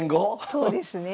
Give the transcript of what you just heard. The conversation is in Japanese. そうですね。